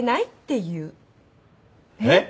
えっ？